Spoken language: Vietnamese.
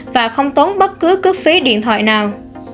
và không tốn bất cứ cước phí điện thoại nào